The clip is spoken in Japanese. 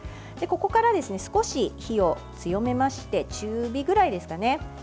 ここから少し火を強めまして中火ぐらいですかね。